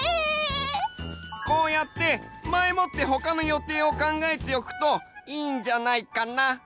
こうやって前もってほかの予定を考えておくといいんじゃないかな？